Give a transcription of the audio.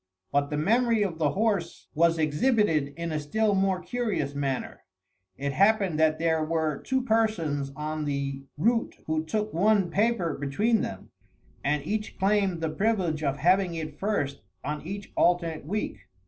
But the memory of the horse was exhibited in a still more curious manner. It happened that there were two persons on the route who took one paper between them, and each claimed the privilege of having it first on each alternate week.